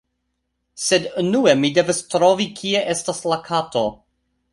Sed unue mi devas trovi kie estas la kato